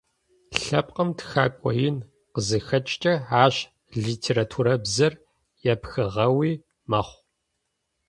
Лъэпкъым тхэкӏо ин къызыхэкӏыкӏэ ащ литературабзэр епхыгъэуи мэхъу.